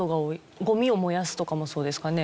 ゴミを燃やすとかもそうですかね。